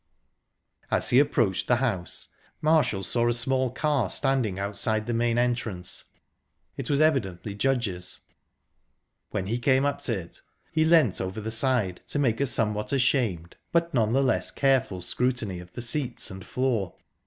As he approached the house, Marshall saw a small car standing outside the main entrance. It was evidently Judge's. When he came up to it, he leant over the side, to make a somewhat ashamed, but none the less careful scrutiny of the seats and floor.